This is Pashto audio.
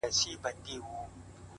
باران زما د کور له مخې څخه دوړې يوړې;